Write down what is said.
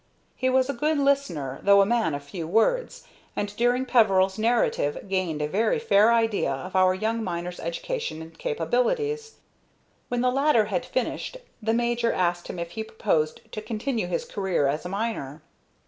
He was a good listener, though a man of few words, and during Peveril's narrative gained a very fair idea of our young miner's education and capabilities. When the latter had finished, the major asked him if he proposed to continue his career as a miner.